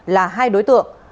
là hai đối tượng